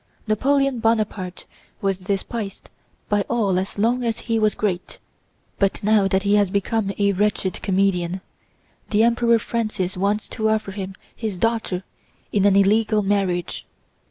Napoleon Bonaparte was despised by all as long as he was great, but now that he has become a wretched comedian the Emperor Francis wants to offer him his daughter in an illegal marriage.